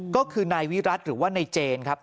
ก็คือนายวิรัติหรือว่านายเจนครับ